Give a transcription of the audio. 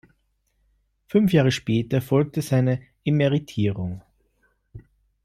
Fünf Jahre später erfolgte seine Emeritierung.